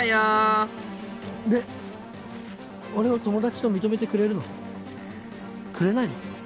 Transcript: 俺を友達と認めてくれるの？くれないの？